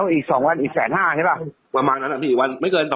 คือมันให้พี่ได้เลยแต่ถ้าขอ๑๕๐๐๐๐๐บาทมันขอเวลา